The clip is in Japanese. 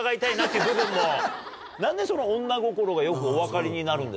何で女心がよくお分かりになるんですか？